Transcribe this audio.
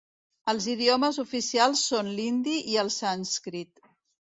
Els idiomes oficials són l'hindi i el sànscrit.